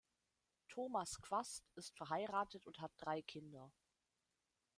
Thomas Quast ist verheiratet und hat drei Kinder.